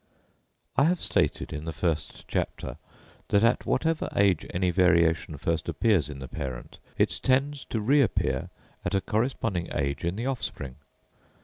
I have stated in the first chapter, that at whatever age any variation first appears in the parent, it tends to reappear at a corresponding age in the offspring.